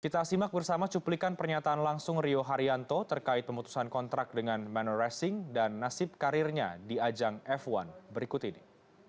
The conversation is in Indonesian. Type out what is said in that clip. kita simak bersama cuplikan pernyataan langsung rio haryanto terkait pemutusan kontrak dengan manor racing dan nasib karirnya di ajang f satu berikut ini